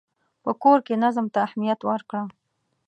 په کور کې نظم ته اهمیت ورکړه.